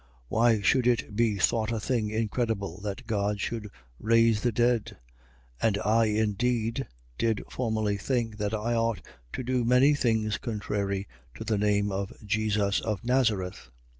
26:8. Why should it be thought a thing incredible that God should raise the dead? 26:9. And I indeed did formerly think that I ought to do many things contrary to the name of Jesus of Nazareth.